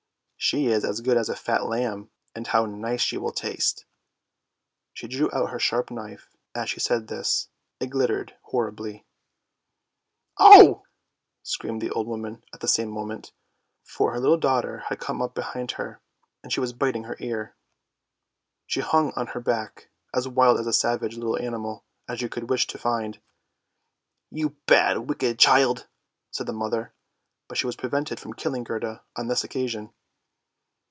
" She is as good as a fat lamb, and how nice she will taste! " She drew out her sharp knife as she said this; it glittered horribly. " Oh! " screamed the old woman at the same moment, for her little daughter had come up behind her, and she was biting her ear. She hung on her back, as wild and as savage a little animal as you could wish to find. " You bad, wicked child! " said the mother, but she was prevented from killing Gerda on this occasion.